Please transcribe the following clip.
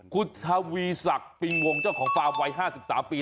คุณทวีศักดิ์ปิงวงเจ้าของฟาร์มวัย๕๓ปี